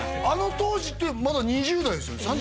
あの当時ってまだ２０代ですよね